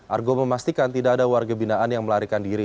argo memastikan tidak ada warga binaan yang melarikan diri